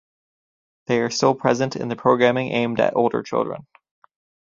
They are still present in the programming aimed at older children.